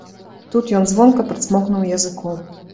Тут ён звонка прыцмокнуў языком.